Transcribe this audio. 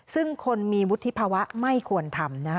ซึ่งคนมีวุฒิภาวะไม่ควรทำนะคะ